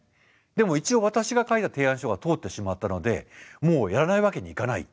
でも一応私が書いた提案書が通ってしまったのでもうやらないわけにいかない。